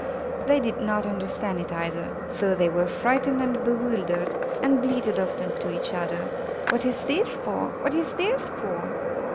They did not understand it either; so they were frightened and bewildered, and bleated often to each other, ''What is this for? What is this for?"